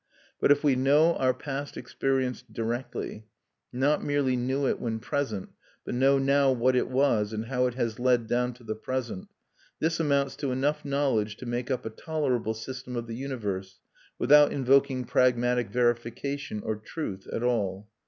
But if we know our past experience directly not merely knew it when present, but know now what it was, and how it has led down to the present this amounts to enough knowledge to make up a tolerable system of the universe, without invoking pragmatic verification or "truth" at all.